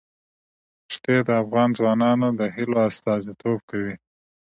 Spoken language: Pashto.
ښتې د افغان ځوانانو د هیلو استازیتوب کوي.